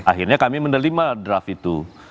akhirnya kami menerima draft itu